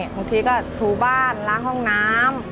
บางทีก็ถูบ้านล้างห้องน้ำ